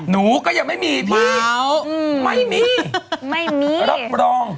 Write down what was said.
หนูก็ยังไม่มีพี่ไม่มีไม่มีรับรอง